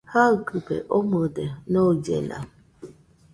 Jaɨkɨbe omɨde noillena